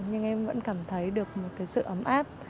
nhưng em vẫn cảm thấy được một cái sự ấm áp